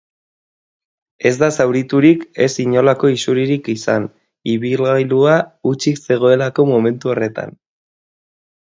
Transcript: Ez da zauriturik ez inolako isuririk izan, ibilgailua hutsik zegoelako momentu horretan.